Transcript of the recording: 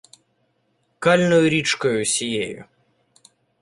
Кальною річкою сією